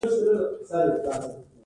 فرض کړئ چې سل زره سکو ته اړتیا ده